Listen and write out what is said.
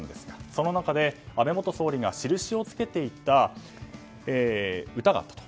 その中で安倍元総理が印をつけていた歌があったと。